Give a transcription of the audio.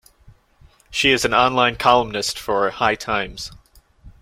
She is an online columnist for "High Times".